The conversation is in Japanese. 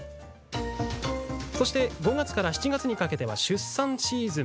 そして、５月から７月にかけては出産のシーズン。